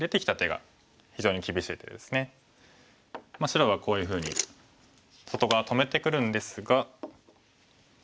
白がこういうふうに外側止めてくるんですが。